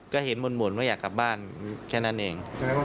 ก็เห็นหม่นว่าอยากกลับบ้านแค่นั้นเอง